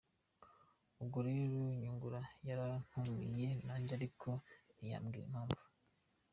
Ubwo rero Nyungura yarantumiye nanjye ariko ntiyambwira impamvu.